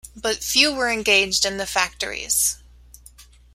But few were engaged in the factories.